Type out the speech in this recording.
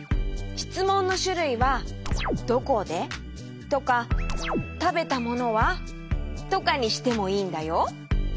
しつもんのしゅるいは「どこで？」とか「たべたものは？」とかにしてもいいんだよ。